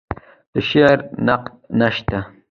د شعر نقد نشته